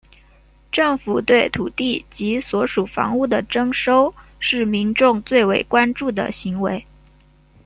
政府对土地及所属房屋的征收是民众最为关注的行为。